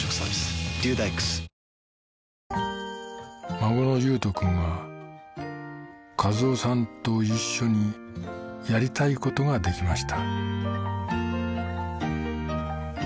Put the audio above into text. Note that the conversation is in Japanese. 孫の悠人くんは一男さんと一緒にやりたいことができました